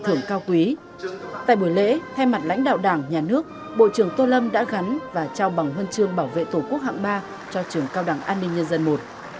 tại buổi lễ theo mặt lãnh đạo đảng nhà nước bộ trưởng tô lâm đã gắn và trao bằng huân trương bảo vệ thủ quốc hạng ba cho trường cao đảng an ninh nhân dân i